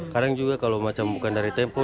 kadang juga kalau macam bukan dari tempo